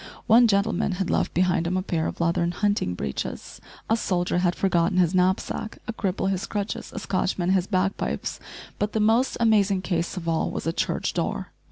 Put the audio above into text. One gentleman had left behind him a pair of leathern hunting breeches, a soldier had forgotten his knapsack, a cripple his crutches! a Scotchman his bagpipes; but the most amazing case of all was a church door!